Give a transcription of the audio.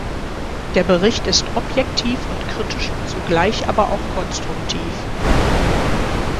Der Bericht ist objektiv und kritisch, zugleich aber auch konstruktiv.